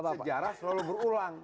sejarah selalu berulang